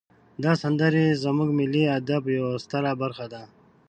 دا سندرې زمونږ د ملی ادب یوه ستره برخه ده.